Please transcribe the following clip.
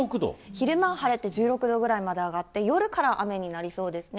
昼間は晴れて１６度ぐらいまで上がって、夜から雨になりそうですね。